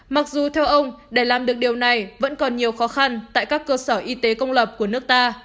mặc dù theo ông để làm được điều này vẫn còn nhiều khó khăn tại các cơ sở y tế công lập của nước ta